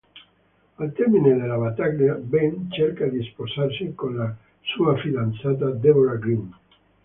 Al termine della battaglia, Ben cerca di sposarsi con la sua fidanzata Deborah Green.